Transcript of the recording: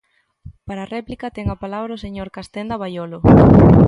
Para a réplica ten a palabra o señor Castenda Baiolo.